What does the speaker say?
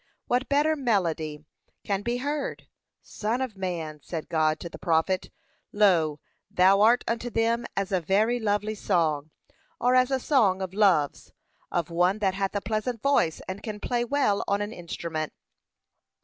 what better melody can be heard? 'Son of man,' said God to the prophet, 'Lo, thou art unto them as a very lovely song'; or, as a song of loves, 'of one that hath a pleasant voice, and can play well on an instrument.'